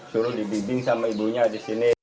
suruh dibimbing sama ibunya di sini